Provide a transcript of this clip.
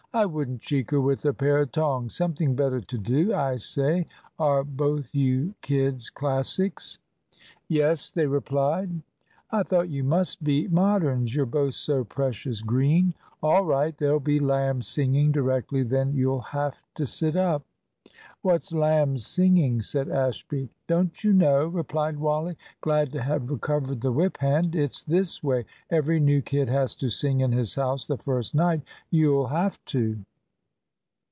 I wouldn't cheek her with a pair of tongs. Something better to do. I say, are both you kids Classics?" "Yes," they replied. "I thought you must be Moderns, you're both so precious green. All right, there'll be lamb's singing directly, then you'll have to sit up." "What's lamb's singing?" said Ashby. "Don't you know?" replied Wally, glad to have recovered the whip hand. "It's this way. Every new kid has to sing in his house the first night. You'll have to."